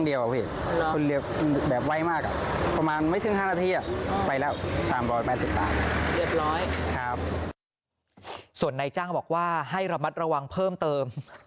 เรียบร้อยครับส่วนในจ้างบอกว่าให้ระมัดระวังเพิ่มเติม